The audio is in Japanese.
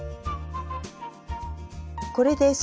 これです